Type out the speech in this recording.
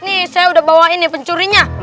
nih saya udah bawain nih pencurinya